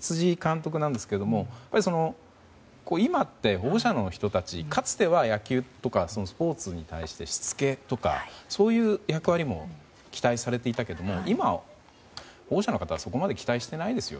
辻監督ですが今って、保護者の人たちかつては野球とかスポーツに対してしつけとか、そういう役割も期待されていたけども今は保護者の方はそこまで期待していないですよ。